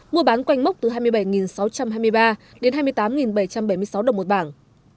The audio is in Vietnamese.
mua bán quanh mốc từ hai mươi bảy sáu trăm hai mươi ba đến hai mươi tám bảy trăm bảy mươi sáu đồng một bảng